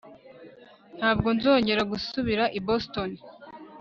Ntabwo nzongera gusubira i Boston